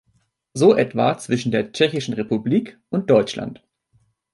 So etwa zwischen der Tschechischen Republik und Deutschland.